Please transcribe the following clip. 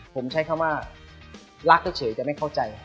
ผมใช้คำว่ารักเฉยแต่ไม่เข้าใจ